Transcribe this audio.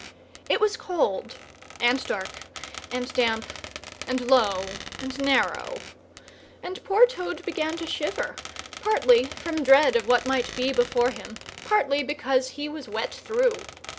It was cold, and dark, and damp, and low, and narrow, and poor Toad began to shiver, partly from dread of what might be before him, partly because he was wet through.